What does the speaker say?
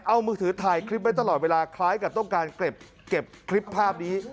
เอามือถือถ่ายคลิปไว้ตลอดเวลาคล้ายกับต้องการเก็บคลิปภาพนี้